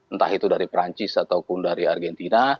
entah itu dari perancis ataupun dari argentina